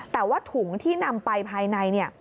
แต่ว่าถุงที่นำไปภายใน